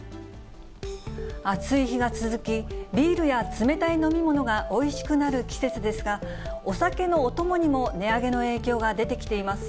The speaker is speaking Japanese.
暑い日が続き、ビールや冷たい飲み物がおいしくなる季節ですが、お酒のお供にも値上げの影響が出てきています。